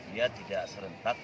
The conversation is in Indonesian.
dia tidak serentak